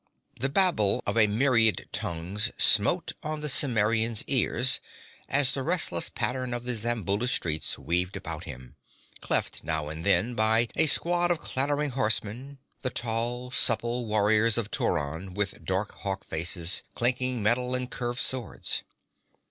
The babel of a myriad tongues smote on the Cimmerian's ears as the restless pattern of the Zamboula streets weaved about him cleft now and then by a squad of clattering horsemen, the tall, supple warriors of Turan, with dark hawk faces, clinking metal and curved swords.